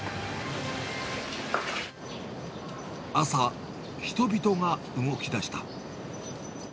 朝、人々が動きだした。